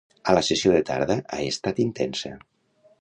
La sessió de tarda ha estat intensa.